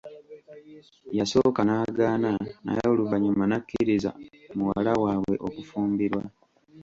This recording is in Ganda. Yasooka n'agaana naye oluvannyuma n'akkiriza muwala waabwe okufumbirwa.